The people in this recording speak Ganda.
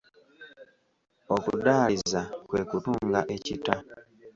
Okudaaliza kwe kutunga ekitta.